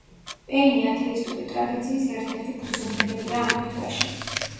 პეინი ათეისტური ტრადიციის ერთ-ერთი ფუძემდებელია ამერიკაში.